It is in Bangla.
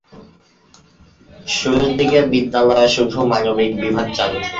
শুরুর দিকে বিদ্যালয়ে শুধু মানবিক বিভাগ চালু ছিল।